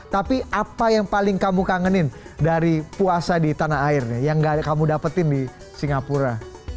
tapi apa yang paling kamu kangenin dari puasa di tanah air nih yang gak kamu dapetin di singapura